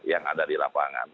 yang ada di lapangan